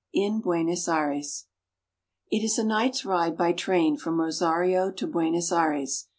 IN BUENOS AIRES. IT is a night's ride by train from Rosario to Buenos Aires.